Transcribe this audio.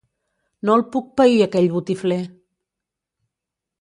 No el puc pair, aquell botifler!